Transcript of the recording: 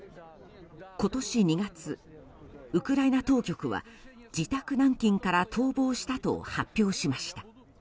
今年２月、ウクライナ当局は自宅軟禁から逃亡したと発表しました。